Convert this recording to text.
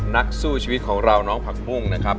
นักสู้ชีวิตของเราน้องผักบุ้งนะครับ